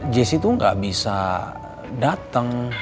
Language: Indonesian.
jesse tuh gak bisa dateng